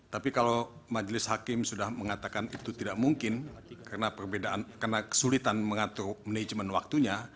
tapi kalau majelis hakim sudah mengatakan itu tidak mungkin karena perbedaan karena kesulitan mengatur manajemen waktunya